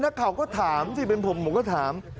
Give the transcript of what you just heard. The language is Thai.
นักข่าวก็ถามสิเป็นผมผมก็ถาม